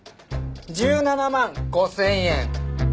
１７万５０００円。